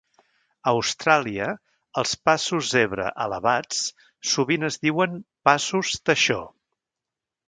A Austràlia, els passos zebra elevats sovint es diuen "passos teixó".